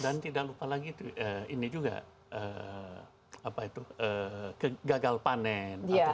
dan tidak lupa lagi ini juga gagal panen